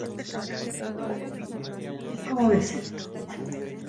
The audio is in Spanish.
El centro lo compone la plaza de almijara, arroyo y pantano.